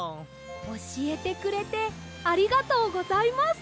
おしえてくれてありがとうございます！